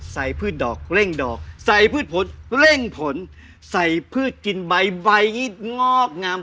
พืชดอกเร่งดอกใส่พืชผลเร่งผลใส่พืชกินใบใบที่งอกงาม